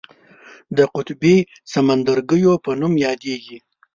د قطبي سمندرګیو په نوم یادیږي.